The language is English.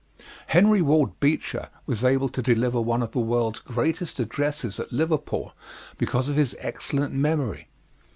Henry Ward Beecher was able to deliver one of the world's greatest addresses at Liverpool because of his excellent memory.